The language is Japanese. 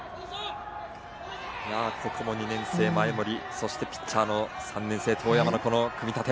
ここも２年生の前盛そしてピッチャーの３年生當山の組み立て。